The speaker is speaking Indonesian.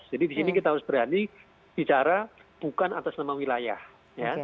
di sini kita harus berani bicara bukan atas nama wilayah ya